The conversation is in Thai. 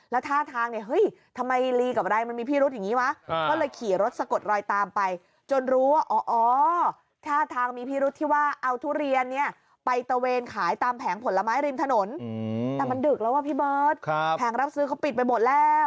แล้วท่าทางเนี่ยเฮ้ยทำไมลีกับไรมันมีพี่รุษอย่างนี้วะ